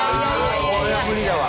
これは無理だわ。